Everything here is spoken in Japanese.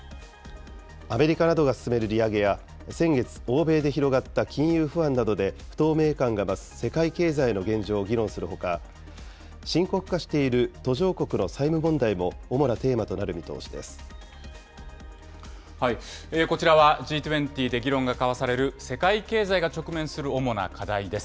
アメリカなどが進める利上げや、先月、欧米で広がった金融不安などで不透明感が増す世界経済の現状を議論するほか、深刻化している途上国の債務問題も主なテーマとなるこちらは、Ｇ２０で議論が交わされる世界経済が直面する主な課題です。